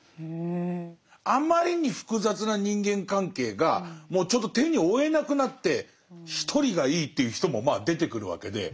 あまりに複雑な人間関係がもうちょっと手に負えなくなって一人がいいっていう人もまあ出てくるわけで。